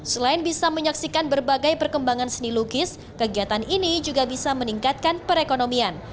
selain bisa menyaksikan berbagai perkembangan seni lukis kegiatan ini juga bisa meningkatkan perekonomian